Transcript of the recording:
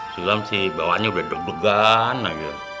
sebelum si bawahannya udah deg degan lagi